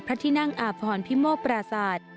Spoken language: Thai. พระทินั่งอาบฝรพิโมปราศาสตร์